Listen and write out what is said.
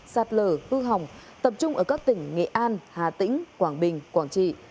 sạt lở hư hỏng tập trung ở các tỉnh nghệ an hà tĩnh quảng bình quảng trị